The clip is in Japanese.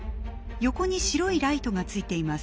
横に白いライトがついています。